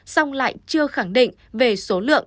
song lại chưa khẳng định về số lượng